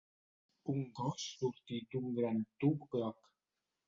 Un gos sortit d'un gran tub groc.